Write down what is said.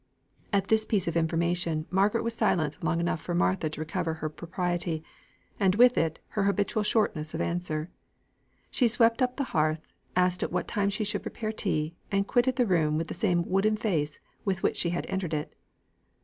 At this piece of information, Margaret was silent long enough for Martha to recover her propriety, and, with it, her habitual shortness of answer. She swept up the hearth, asked at what time she should prepare tea, and quitted the room with the same wooden face with which she had entered it.